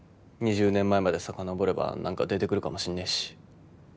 ２０年前まで遡れば何か出てくるかもしんねぇし。